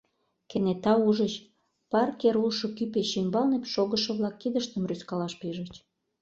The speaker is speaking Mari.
Кенета ужыч: парк йыр улшо кӱ пече ӱмбалне шогышо-влак кидыштым рӱзкалаш пижыч.